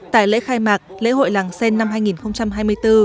tại lễ khai mạc lễ hội làng sen năm hai nghìn hai mươi bốn